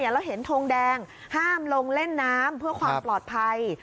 แล้วเห็นทงแดงห้ามลงเล่นน้ำเพื่อความปลอดภัย